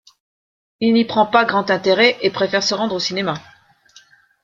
Il n’y prend pas grand intérêt et préfère se rendre au cinéma.